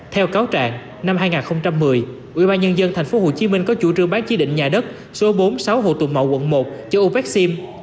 theo cáo trạng năm hai nghìn một mươi ubnd tp hcm có chủ trương bán chí định nhà đất số bốn mươi sáu hồ tùng mậu quận một cho opecim